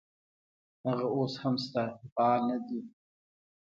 هغه اوس هم شته خو فعال نه دي.